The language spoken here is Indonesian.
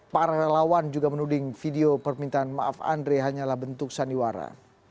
para relawan juga menuding video permintaan maaf andre hanyalah bentuk sandiwara